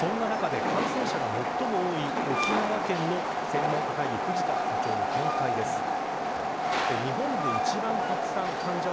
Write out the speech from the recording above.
そんな中で感染者が最も多い沖縄県の専門家会議藤田座長の見解です。